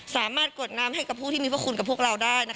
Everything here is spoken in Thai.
สามารถกรวดน้ำให้กับผู้มีเพื่อคุณได้